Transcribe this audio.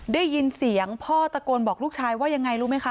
ได้ยินเสียงพ่อตะโกนบอกลูกชายว่ายังไงรู้ไหมคะ